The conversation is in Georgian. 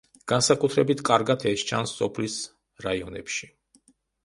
განსაკუთრებით კარგად ეს სჩანს სოფლის რაიონებში.